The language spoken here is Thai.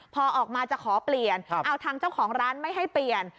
พอออกมาจะขอเปลี่ยนเอาทางเจ้าของร้านไม่ให้เปลี่ยน